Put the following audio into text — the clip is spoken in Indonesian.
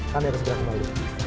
kamera segera kembali